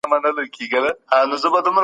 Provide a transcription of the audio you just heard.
د ژبي په واسطه اذيت ورکول بد دي.